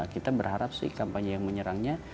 kita berharap sih kampanye yang menyerangnya